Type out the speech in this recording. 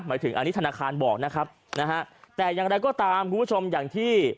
หมายถึงอันนี้ธนาคารบอกนะครับนะฮะแต่อย่างไรก็ตามคุณผู้ชมอย่างที่